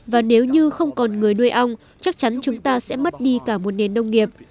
và nếu như không còn người nuôi ong chắc chắn chúng ta sẽ mất đi cả một nền nông nghiệp